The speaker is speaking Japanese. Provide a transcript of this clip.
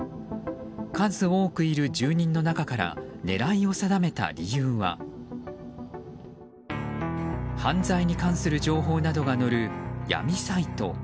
数多くいる住人の中から狙いを定めた理由は犯罪に関する情報などが載る闇サイト。